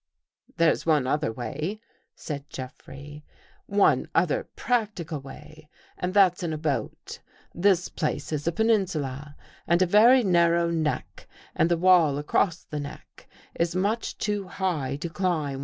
" There's one other way," said Jeffrey. " One ; other practical way, and that's in a boat. This i place is a peninsula, with a very narrow neck and ■ the wall across the neck is much too high to climb